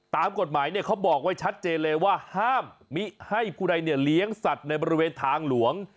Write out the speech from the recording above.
ตามกฎหมายเขาบอกไว้ชัดเจนเลยว่าห้ามมิให้ผู้ใดเลี้ยงสัตว์ในบริเวณทางหลวง